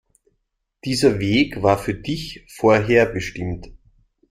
Dieser Weg war für dich vorherbestimmt.